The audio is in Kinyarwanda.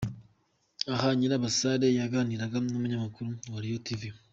Aha Nyirabasare yaganiraga n'umunyamakuru wa Royal Tv.